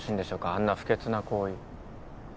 あんな不潔な行為。